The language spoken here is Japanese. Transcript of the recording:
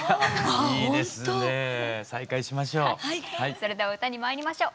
それでは歌にまいりましょう。